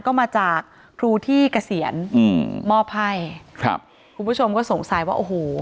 ก็มาจากครูที่เกษียณอืมมอบให้ครับคุณผู้ชมก็สงสัยว่าโอ้โห